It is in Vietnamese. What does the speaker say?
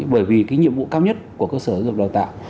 bởi vì cái nhiệm vụ cao nhất của cơ sở giúp đào tạo